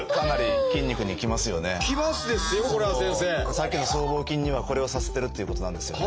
さっきの僧帽筋にはこれをさせてるっていうことなんですよね。